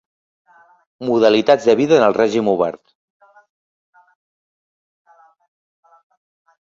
Modalitats de vida en el règim obert.